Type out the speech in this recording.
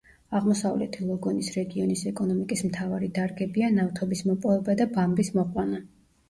აღმოსავლეთი ლოგონის რეგიონის ეკონომიკის მთავარი დარგებია ნავთობის მოპოვება და ბამბის მოყვანა.